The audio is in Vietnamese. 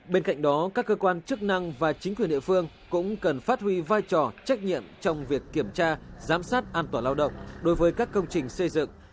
bên cạnh đó các cơ quan chức năng và chính quyền địa phương cũng cần phát huy vai trò trách nhiệm trong việc kiểm tra giám sát an toàn lao động đối với các công trình xây dựng